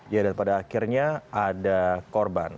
ya dan pada akhirnya ada korban